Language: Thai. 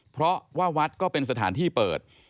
เพราะว่าวัดก็เป็นสถานที่เปิด